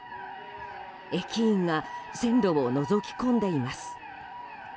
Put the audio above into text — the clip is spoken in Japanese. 駅員が線路をのぞき込んでいます。